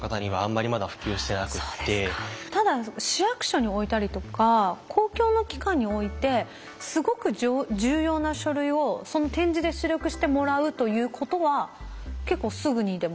ただ市役所に置いたりとか公共の機関に置いてすごく重要な書類をその点字で出力してもらうということは結構すぐにでも。